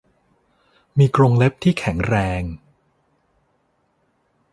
มีกรงเล็บที่แข็งแรง